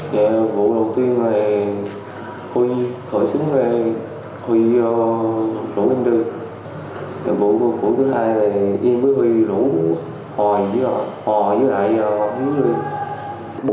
vụ thứ hai là em mới bị rủ hòi với họ hòi với lại họ hòi với lại họ